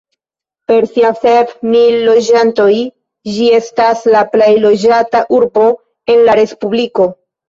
Per sia sep mil loĝantoj ĝi estas la plej loĝata urbo en la respubliko.